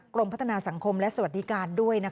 กรมพัฒนาสังคมและสวัสดิการด้วย